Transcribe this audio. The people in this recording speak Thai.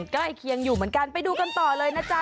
ใกล้เคียงอยู่เหมือนกันไปดูกันต่อเลยนะจ๊ะ